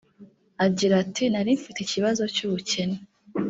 Agira ati “Nari mfite ikibazo cy’ubukene